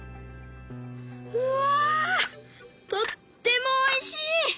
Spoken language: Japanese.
うわとってもおいしい！